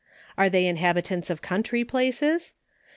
Are they inhabitants of country places